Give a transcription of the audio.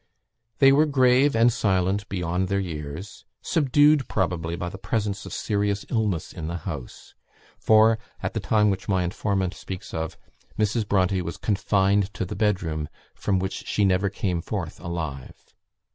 They were grave and silent beyond their years; subdued, probably, by the presence of serious illness in the house; for, at the time which my informant speaks of, Mrs. Bronte was confined to the bedroom from which she never came forth alive.